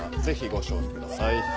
ぜひご賞味ください。